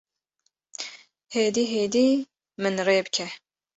Hêdî hêdî min rê bike